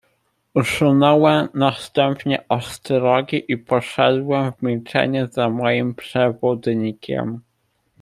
"Usunąłem następnie ostrogi i poszedłem w milczeniu za moim przewodnikiem."